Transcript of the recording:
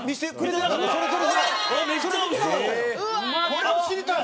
これを知りたい！